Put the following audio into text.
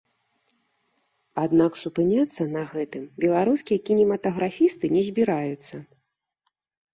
Аднак супыняцца на гэтым беларускія кінематаграфісты не збіраюцца.